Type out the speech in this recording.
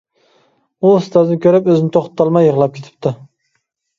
ئۇ ئۇستازنى كۆرۈپ ئۆزىنى توختىتالماي يىغلاپ كېتىپتۇ.